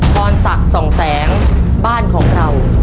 พรศักดิ์สองแสงบ้านของเรา